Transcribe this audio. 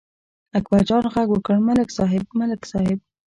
اکبرجان غږ وکړ: ملک صاحب، ملک صاحب!